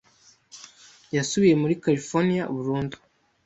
Yasubiye muri Californiya burundu.